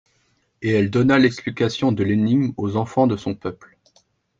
Et elle donna l'explication de l'énigme aux enfants de son peuple.